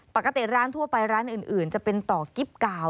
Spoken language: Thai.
ปกติร้านทั่วไปร้านอื่นจะเป็นต่อกิ๊บกาว